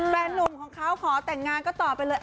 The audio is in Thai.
แฟนนุ่มของเขาขอแต่งงานก็ตอบไปเลย